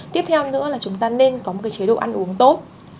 tiếp theo nữa là chúng ta nên có một chế độ ăn uống tốt